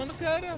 ya ada di negara